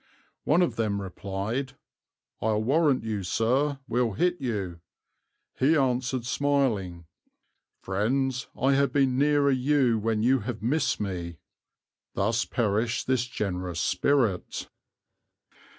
One of them replied, 'I'll warrant you, Sir, we'll hit you'; he answered smiling, 'Friends, I have been nearer you when you have missed me.' Thus perished this generous spirit."